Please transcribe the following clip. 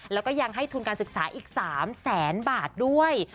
แล้วก็ยังให้ทุนการศึกษาอีก๓แสนบาทด้วย